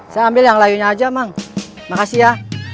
saya ambil yang layunya aja mang makasih ya